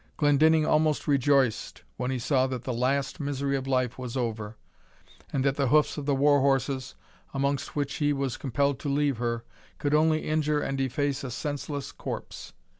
Glendinning almost rejoiced when he saw that the last misery of life was over, and that the hoofs of the war horses, amongst which he was compelled to leave her, could only injure and deface a senseless corpse.